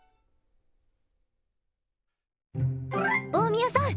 大宮さん